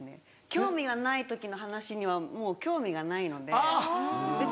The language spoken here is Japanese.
興味がない時の話にはもう興味がないので別に。